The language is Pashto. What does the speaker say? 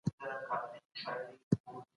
سافټویر انجنیري د محصلینو د فکر کچه لوړوي.